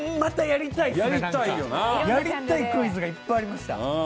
やりたいクイズがいっぱいありました。